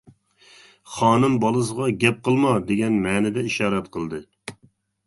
خانىم بالىسىغا: «گەپ قىلما» دېگەن مەنىدە ئىشارەت قىلدى.